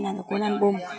làm được cuốn ăn bùm